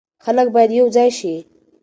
خلک باید یو ځای شي.